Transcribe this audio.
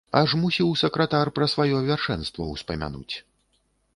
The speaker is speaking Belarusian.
Аж мусіў сакратар пра сваё вяршэнства ўспамянуць.